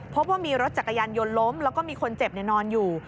พบว่ามีรถจักรยานยนต์ล้มแล้วก็มีคนเจ็บนอนอยู่